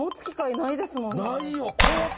ないよ。